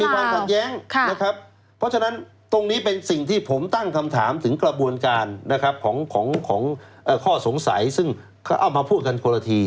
ความขัดแย้งนะครับเพราะฉะนั้นตรงนี้เป็นสิ่งที่ผมตั้งคำถามถึงกระบวนการนะครับของข้อสงสัยซึ่งเขาเอามาพูดกันคนละที